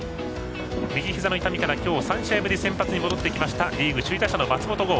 右ひざの痛みから今日３試合ぶりに戻ってきましたリーグ首位打者の松本剛。